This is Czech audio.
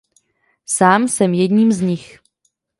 Sám jsem jedním z nich.